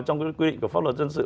trong quy định của pháp luật dân sự